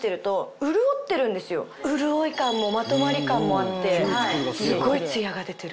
潤い感もまとまり感もあってすっごいツヤが出てる。